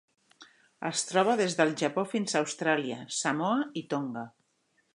Es troba des del Japó fins a Austràlia, Samoa i Tonga.